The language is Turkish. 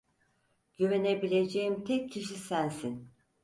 Güvenebileceğim tek kişi sensin.